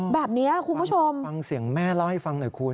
แบบนี้คุณผู้ชมฟังเสียงแม่เล่าให้ฟังหน่อยคุณ